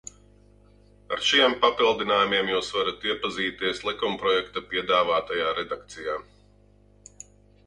Ar šiem papildinājumiem jūs varat iepazīties likumprojekta piedāvātajā redakcijā.